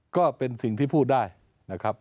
ก็เป็นสิ่งที่พูดได้นะครับ